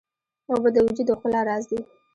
اوبه د وجود د ښکلا راز دي.